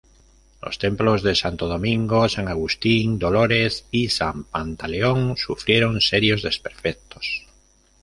Los templos de Santo Domingo, San Agustín, Dolores y San Pantaleón sufrieron serios desperfectos.